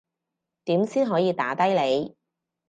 點先可以打低你